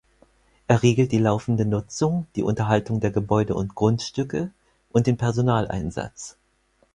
Er regelt die laufende Nutzung, die Unterhaltung der Gebäude und Grundstücke und den Personaleinsatz.